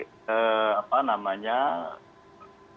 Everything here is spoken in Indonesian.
ya itu pdip beruntung mengambil kesempatan yang cukup tinggi